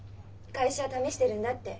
「会社は試してるんだ」って。